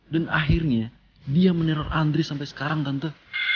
dan akhirnya dia meneror andre sampai sekarang tante